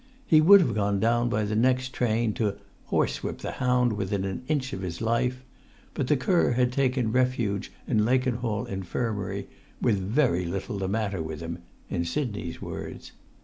He would have gone down by the next train to "horsewhip the hound within an inch of his life," but the cur had taken refuge in Lakenhall Infirmary, "with very little the matter with him," in Sidney's words.